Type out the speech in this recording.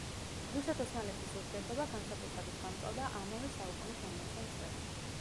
რუსეთ-ოსმალეთის ურთიერთობა განსაკუთრებით გამწვავდა ამავე საუკუნის ორმოციან წლებში.